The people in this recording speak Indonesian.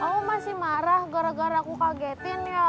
oh masih marah gara gara aku kagetin ya